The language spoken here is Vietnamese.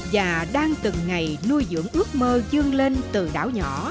và đang từng ngày nuôi dưỡng ước mơ dương lên từ đảo nhỏ